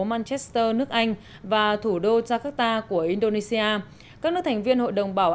manchester nước anh và thủ đô jakarta của indonesia các nước thành viên hội đồng bảo